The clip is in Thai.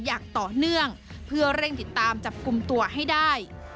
อย่างต่อเนื่องเพื่อเร่งติดตามจับกลุ่มตัวให้ได้